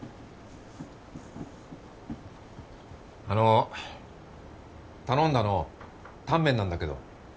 あの頼んだのタンメンなんだけど。